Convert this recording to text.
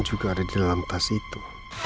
juga ada di dalam tas itu